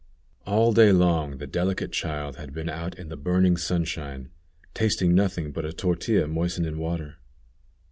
All day long the delicate child had been out in the burning sunshine, tasting nothing but a tortilla moistened in water.